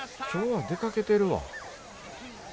今日は出かけてるわ。